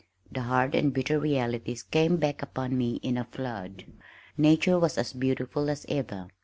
The hard and bitter realities came back upon me in a flood. Nature was as beautiful as ever.